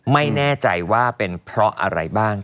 ไม่แน่ใจว่าเป็นเพราะอะไรบ้าง